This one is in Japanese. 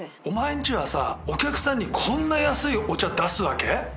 お前んちはさお客さんにこんな安いお茶出すわけ？